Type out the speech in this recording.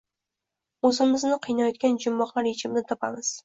o‘zimizni qiynayotgan jumboqlar yechimini topamiz.